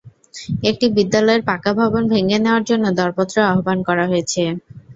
একটি বিদ্যালয়ের পাকা ভবন ভেঙে নেওয়ার জন্য দরপত্র আহ্বান করা হয়েছে।